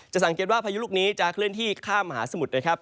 สังเกตว่าพายุลูกนี้จะเคลื่อนที่ข้ามมหาสมุทรนะครับ